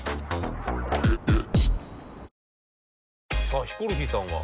さあヒコロヒーさんは？